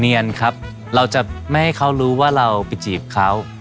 เนียนครับเราจะไม่ให้เขารู้ว่าเราไปจีบเขา